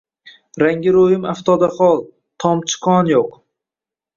Rangi roʼyim aftodahol, tomchi qon yoʼq.